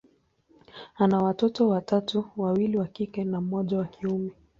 ana watoto watatu, wawili wa kike na mmoja wa kiume.